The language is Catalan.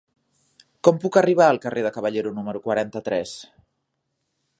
Com puc arribar al carrer de Caballero número quaranta-tres?